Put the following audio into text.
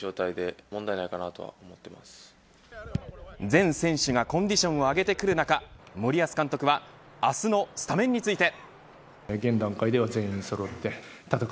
全選手がコンディションを上げてくる中森保監督は明日のスタメンについて。